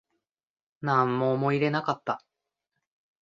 なんも思い入れなかった